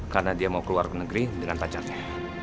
karena dia mau keluar ke negeri dengan pacarnya